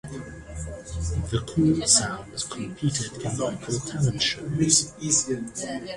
The Cool sounds competed in local talent shows.